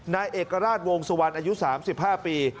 นายเอกราชวงศ์สวรรษ์อายุสามสิบห้าปี